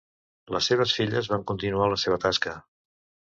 Les seves filles van continuar la seva tasca.